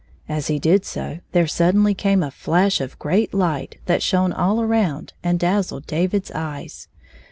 As he did so, there suddenly came a flash of great light that shone all around and dazzled David's eyes.